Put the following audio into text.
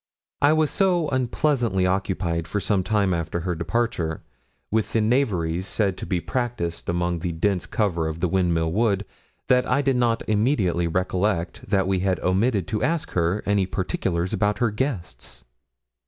I was so unpleasantly occupied, for some time after her departure, with the knaveries said to be practised among the dense cover of the Windmill Wood, that I did not immediately recollect that we had omitted to ask her any particulars about her guests.